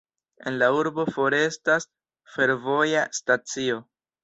En la urbo forestas fervoja stacio.